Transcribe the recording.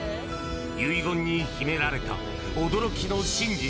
遺言に秘められた驚きの真実。